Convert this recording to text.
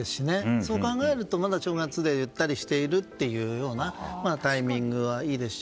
そう考えるとまだ正月でゆったりしているタイミングはいいですし。